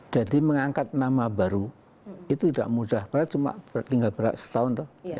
mengangkat nama baru itu tidak mudah padahal cuma tinggal berat setahun